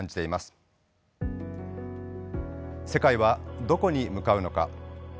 世界はどこに向かうのか。